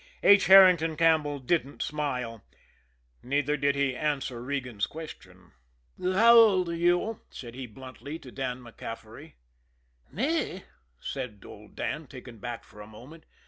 H. Herrington Campbell didn't smile, neither did he answer Regan's question. "How old are you?" said he bluntly to Dan MacCaffery. "Me?" said old Dan, taken aback for a moment.